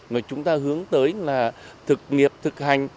mà chúng ta hướng tới là thực nghiệp thực hành